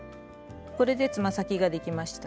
これでつま先ができました。